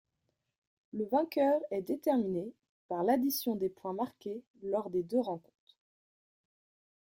Le vainqueur est déterminé par l'addition des points marqués lors des deux rencontres.